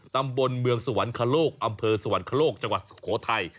ตำบลเมืองสวรรคโลกอำเภอสวรรคโลกจังหวัดสุโขทัย